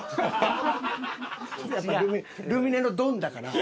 ルミネのドンだから。